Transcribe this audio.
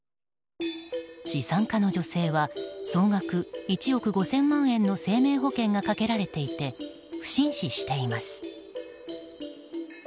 資産家の女性は総額１億５０００万円の生命保険がかけられていて不審死しています。